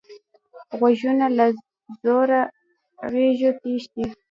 غوږونه له زوره غږو تښتي